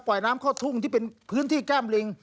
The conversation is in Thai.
น้ำเข้าทุ่งที่เป็นพื้นที่แก้มลิง